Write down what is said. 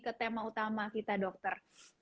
ke tema utama kita dokter